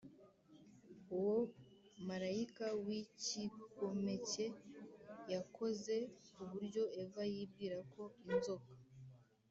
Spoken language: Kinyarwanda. Uwo marayika w icyigomeke yakoze ku buryo Eva yibwira ko inzoka